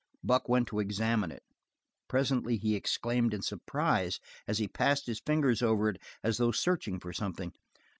Buck went to examine it. Presently he exclaimed in surprise and he passed his fingers over it as though searching for something.